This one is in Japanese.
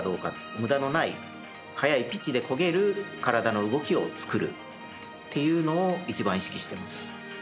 むだのない速いピッチでこげる体の動きを作るっていうのを一番意識してます。